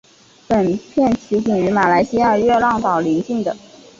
本片取景于马来西亚热浪岛邻近的。